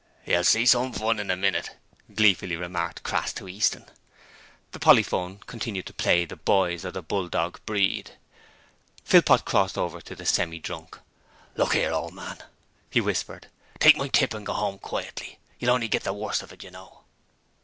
'You'll see some fun in a minute,' gleefully remarked Crass to Easton. The polyphone continued to play 'The Boys of the Bulldog Breed.' Philpot crossed over to the Semi drunk. 'Look 'ere, old man,' he whispered, 'take my tip and go 'ome quietly. You'll only git the worse of it, you know.'